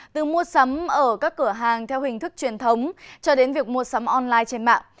từ mua sắm ở các cửa hàng theo hình thức truyền thống cho đến việc mua sắm online trên mạng